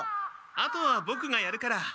あとはボクがやるから。